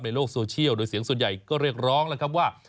ในโลกโซเชียลโดยเสียงส่วนใหญ่ก็เรียกร้องแล้วครับว่า